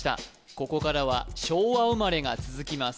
ここからは昭和生まれが続きます